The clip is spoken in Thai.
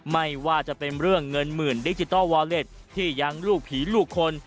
ไม่ว่าจะเป็นเรื่องเงินหมื่นดิจิทัลวอเล็ตที่ยังลูกผีลูกคน